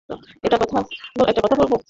একটা কথা বলবো?